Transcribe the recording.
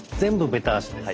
ベタ足です。